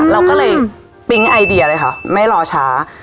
เราก็เลยปิ๊งไอเดียเลยค่ะไม่รอช้า